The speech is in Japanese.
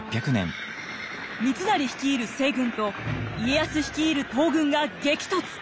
三成率いる西軍と家康率いる東軍が激突！